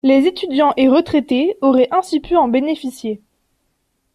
Les étudiants et retraités auraient ainsi pu en bénéficier.